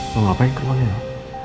mau ngapain ke rumah mino